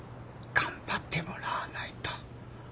頑張ってもらわないと。